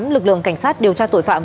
lực lượng cảnh sát điều tra tội phạm